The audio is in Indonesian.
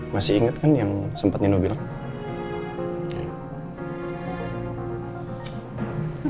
masih inget kan yang sempat nyeno bilang